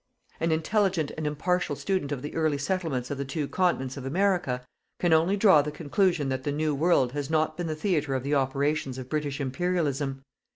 An intelligent and impartial student of the early settlements of the two continents of America can only draw the conclusion that the New World has not been the theatre of the operations of British Imperialism.